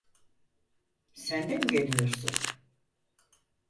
Sen de mi geliyorsun?